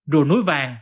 rùa núi vàng